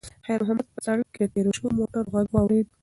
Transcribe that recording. خیر محمد په سړک کې د تېرو شویو موټرو غږ اورېده.